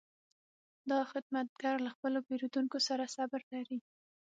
دا خدمتګر له خپلو پیرودونکو سره صبر لري.